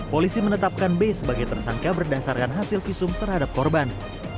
polisi menetapkan b sebagai tersangka berdasarkan hasil visum terhadap korban